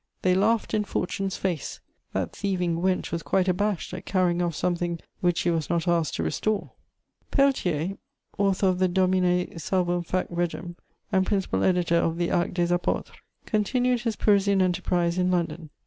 They laughed in Fortune's face: that thieving wench was quite abashed at carrying off something which she was not asked to restore. * [Sidenote: Peltier.] Peltier, author of the Domine salvum fac regem and principal editor of the Actes des Apôtres, continued his Parisian enterprise in London.